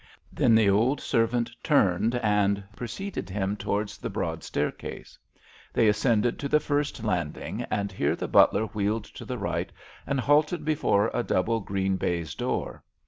Then the old servant turned and preceded him towards the broad staircase. They ascended to the first landing, and here the butler wheeled to the right and halted before a double green baize door.